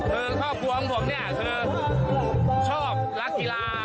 คือครอบครัวของผมชอบรักกีฬา